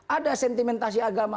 ada sentimentasi agama